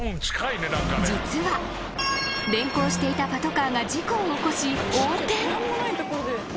［実は連行していたパトカーが事故を起こし横転］